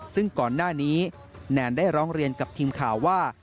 ซึ่งก่อนหน้านี้แนนได้ร้องเรียนกับทีมข่าวว่า